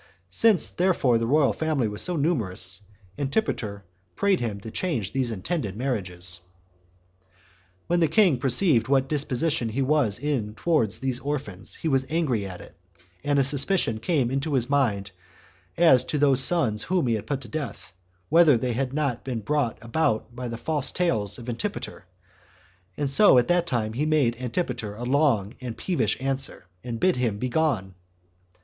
Since, therefore, the royal family was so numerous, Antipater prayed him to change these intended marriages. 5. When the king perceived what disposition he was in towards these orphans, he was angry at it, and a suspicion came into his mind as to those sons whom he had put to death, whether that had not been brought about by the false tales of Antipater; so that at that time he made Antipater a long and a peevish answer, and bid him begone.